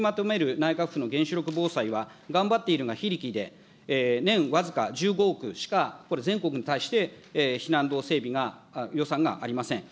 内閣府の原子力防災は頑張っているが非力で、年僅か１５億しか、これ、全国に対して避難道整備が、予算がありません。